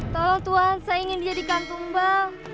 tolong tuan saya ingin dijadikan tumbang